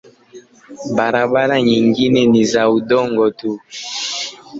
Barabara nyingine ni za udongo tu.